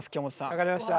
分かりました。